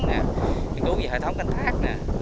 nghiên cứu về hệ thống canh thác